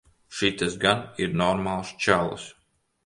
Šitas gan ir normāls čalis.